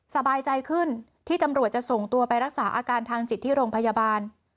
สบายใจขึ้นที่ตำรวจจะส่งตัวไปรักษาอาการทางจิตที่โรงพยาบาล